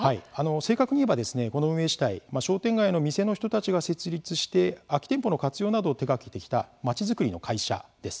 正確にいえばこの運営主体商店街の店の人たちが設立して空き店舗の活用などを手がけてきた街づくりの会社です。